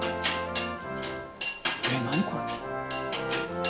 ええ何これ？